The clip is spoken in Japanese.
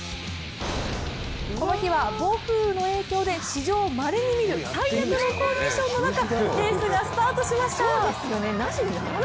この日は暴風雨の影響で史上まれに見る最悪のコンディションの中レースがスタートしました。